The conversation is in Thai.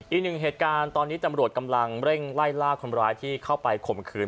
อีกหนึ่งเหตุการณ์ตอนนี้ตำรวจกำลังเร่งไล่ล่าคนร้ายที่เข้าไปข่มขืน